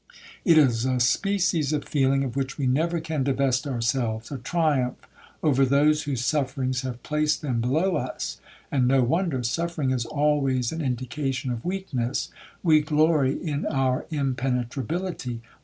It is a species of feeling of which we never can divest ourselves,—a triumph over those whose sufferings have placed them below us, and no wonder,—suffering is always an indication of weakness,—we glory in our impenetrability.